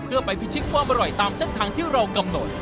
เพื่อไปพิชิตความอร่อยตามเส้นทางที่เรากำหนด